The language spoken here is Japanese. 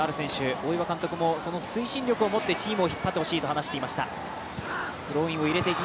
大岩監督もその推進力をもってチームを引っ張ってほしいと離していました。